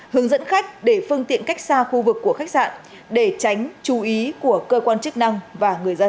hướng dẫn khách để phương tiện cách xa khu vực của khách sạn để tránh chú ý của cơ quan chức năng và người dân